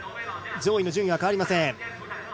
上位の順位は変わりません。